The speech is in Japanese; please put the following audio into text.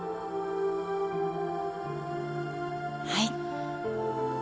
はい。